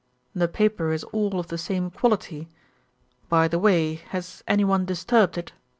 "The paper is all of the same quality. By the way, has anyone disturbed it?"